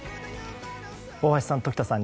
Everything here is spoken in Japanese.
大橋さん、常田さん